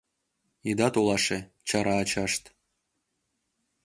— Ида толаше, — чара ачашт.